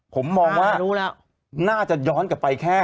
ผมมองว่าน่าจะย้อนกลับไปแค่